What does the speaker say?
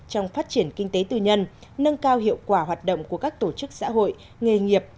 trong phát triển kinh tế tư nhân nâng cao hiệu quả hoạt động của các tổ chức xã hội nghề nghiệp